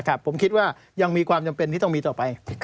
ผมคิดว่ายังมีความจำเป็นที่ต้องมีต่อไป